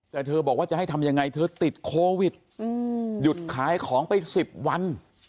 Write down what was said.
แต่เธอบอกว่าจะให้ทำยังไงเธอติดโควิดหยุดขายของไป๑๐วัน